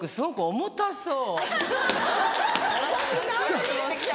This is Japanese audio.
重たそう。